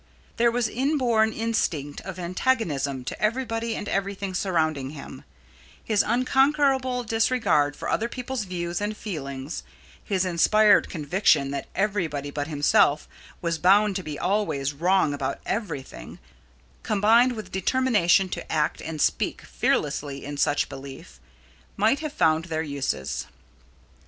There his inborn instinct of antagonism to everybody and everything surrounding him, his unconquerable disregard for other people's views and feelings, his inspired conviction that everybody but himself was bound to be always wrong about everything, combined with determination to act and speak fearlessly in such belief, might have found their uses.